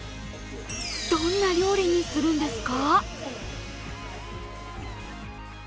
どんな料理にするんですか？